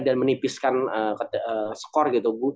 dan menipiskan skor gitu